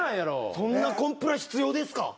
そんなコンプラ必要ですか？